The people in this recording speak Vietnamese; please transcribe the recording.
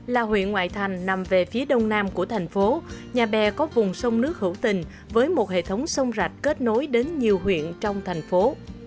là huyện ngoại thành nằm về phía đông nam của thành phố nhà bè có vùng sông nước hữu tình với một hệ thống sông rạch kết nối đến nhiều huyện trong thành phố